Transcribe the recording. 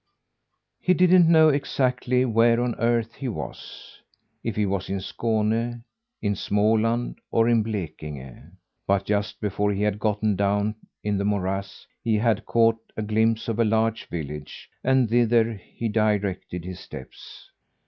He didn't know exactly where on earth he was: if he was in Skåne, in Småland, or in Blekinge. But just before he had gotten down in the morass, he had caught a glimpse of a large village, and thither he directed his steps.